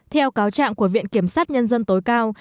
theo cáo trạng của viện kiểm sát nhân dân tối cao